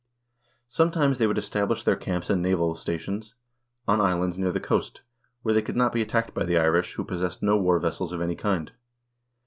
Sometimes they would establish their camps and naval stations on islands near the coast, where they could not be attacked by the Irish, who possessed no war vessels of any kind.